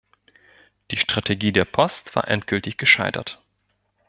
Die Strategie der Post war endgültig gescheitert.